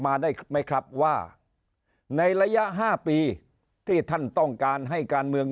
มาได้ไหมครับว่าในระยะ๕ปีที่ท่านต้องการให้การเมือง